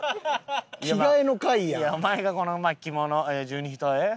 お前がこの着物十二単？